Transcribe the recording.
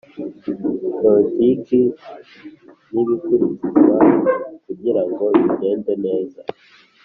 Politiki n ibikurikizwa kugirango bigende neza